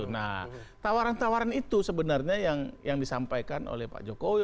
nah tawaran tawaran itu sebenarnya yang disampaikan oleh pak jokowi